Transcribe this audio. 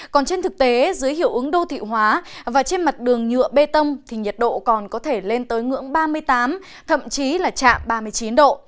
còn trên thực tế dưới hiệu ứng đô thị hóa và trên mặt đường nhựa bê tông thì nhiệt độ còn có thể lên tới ngưỡng ba mươi tám thậm chí là chạm ba mươi chín độ